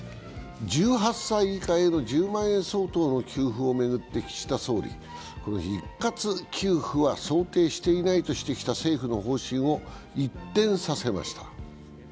１８歳以下への１０万円相当の給付を巡って岸田総理はこの日、一括給付は想定していないとしてきた政府の方針を一転させました。